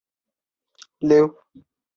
其妻亦由晋国夫人进封秦国夫人。